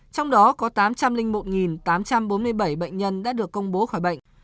trong đó có tám trăm linh một tám trăm bốn mươi bảy bệnh nhân đã được công bố khỏi bệnh